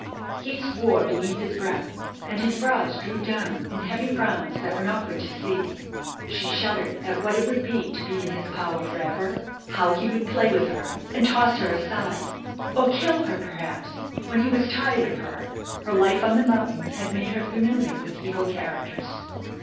He swore beneath his breath, and his brows drew down in heavy frowns that were not good to see. She shuddered at what it would be to be in his power forever. How he would play with her and toss her aside! Or kill her, perhaps, when he was tired of her! Her life on the mountain had made her familiar with evil characters.